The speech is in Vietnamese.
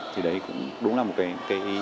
thì đấy cũng đúng là một cái ý